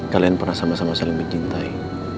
kalian pernah sama sama saling mencintai